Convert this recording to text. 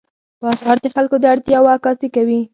بازار د خلکو د اړتیاوو عکاسي کوي.